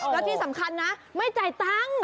แล้วที่สำคัญนะไม่จ่ายตังค์